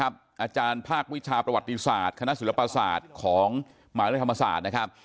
อาจารย์ภาควิชาประวัติศาสตร์คณะศิลปศาสตร์ของมหาวิทยาลัยธรรมศาสตร์นะครับ